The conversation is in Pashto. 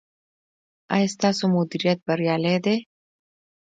ایا ستاسو مدیریت بریالی دی؟